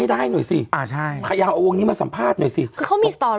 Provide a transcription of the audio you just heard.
ใช่ค่ะ